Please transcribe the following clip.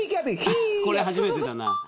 これ初めてだな。